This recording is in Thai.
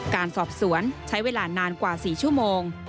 การสอบสวนใช้เวลานานกว่า๔ชั่วโมง